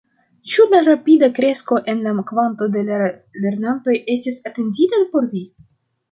Ĉu la rapida kresko en la kvanto de la lernantoj estis atendita por vi?